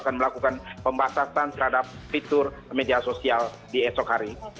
akan melakukan pembatasan terhadap fitur media sosial di esok hari